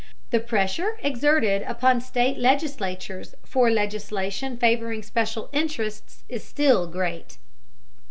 The pressure exerted upon state legislatures for legislation favoring special interests is still great.